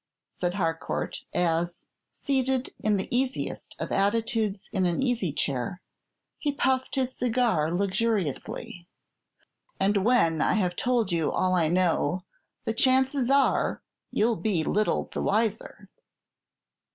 said Harcourt, as, seated in the easiest of attitudes in an easy chair, he puffed his cigar luxuriously; "and when I have told you all I know, the chances are you'll be little the wiser."